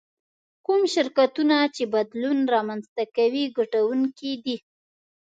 کوم شرکتونه چې بدلون رامنځته کوي ګټونکي دي.